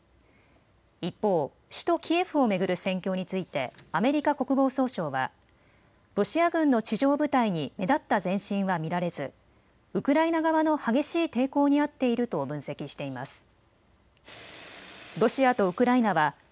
一方、首都キエフを巡る戦況についてアメリカ国防総省はロシア軍の地上部隊に目立った前進は見られずウクライナ側の激しい抵抗にあっていると分析しています。